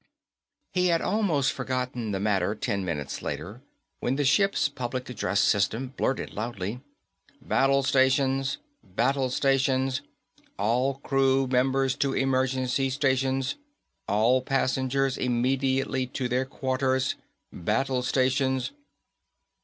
He had almost forgotten the matter ten minutes later when the ship's public address system blurted loudly. BATTLE STATIONS! BATTLE STATIONS! ALL CREW MEMBERS TO EMERGENCY STATIONS. ALL PASSENGERS IMMEDIATELY TO THEIR QUARTERS. BATTLE STATIONS!